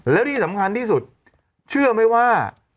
แล้วที่สำคัญที่สุดเชื่อไหมว่า